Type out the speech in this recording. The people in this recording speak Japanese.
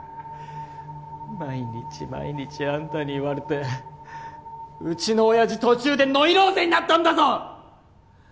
毎日毎日あんたに言われてうちの親父途中でノイローゼになったんだぞ！